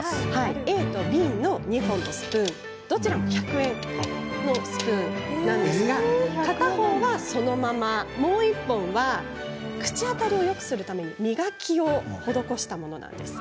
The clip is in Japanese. ＡとＢの２本のスプーンどちらも１００円のスプーンなんですが片方はそのままもう１本は口当たりをよくするために磨きを施したものなんです。